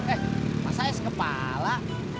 eh masa es kepala